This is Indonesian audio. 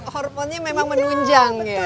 hormonnya memang menunjang ya